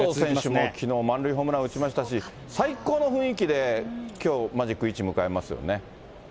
きのう満塁ホームラン打ちましたし、最高の雰囲気で、きょうマジック１迎えますよね。